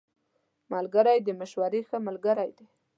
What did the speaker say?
ملګری د مشورې ښه ملګری دی